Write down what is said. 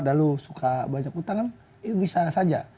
lalu suka banyak utang kan bisa saja